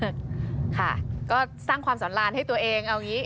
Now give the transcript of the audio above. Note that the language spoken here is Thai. ค่ะก็สร้างความสอนลานให้ตัวเองเอาอย่างนี้